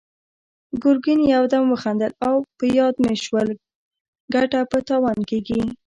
ګرګين يودم وخندل: اه! په ياد مې شول، ګټه په تاوان کېږي!